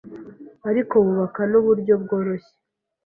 ariko bukaba n’uburyo bworoshye